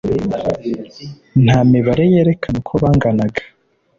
nta mibare yerekana uko banganaga.